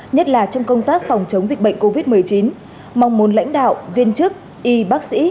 nhất là trong công tác phòng chống dịch bệnh covid một mươi chín mong muốn lãnh đạo viên chức y bác sĩ